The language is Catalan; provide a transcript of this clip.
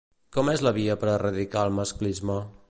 Com és la via per erradicar el masclisme?